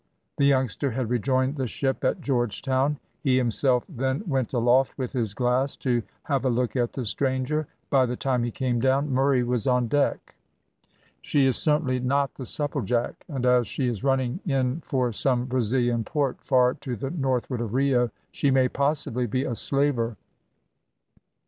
The youngster had rejoined the ship at Georgetown. He himself then went aloft with his glass, to have a look at the stranger. By the time he came down Murray was on deck. "She is certainly not the Supplejack, and, as she is running in for some Brazilian port far to the northward of Rio, she may possibly be a slaver."